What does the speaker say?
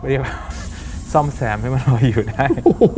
เรียกว่าซ่อมแซมให้มันลอยอยู่ได้